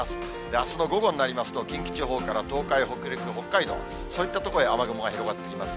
あすの午後になりますと、近畿地方から東海、北陸、北海道、そういった所へ雨雲が広がってきます。